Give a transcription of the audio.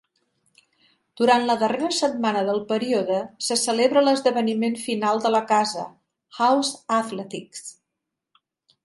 Durant la darrera setmana del període, es celebra l'esdeveniment final de la casa, House Athletics.